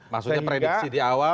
maksudnya prediksi di awal